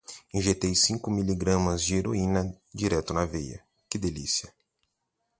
Injetei cinco miligramas de heroína direto na veia, que delícia!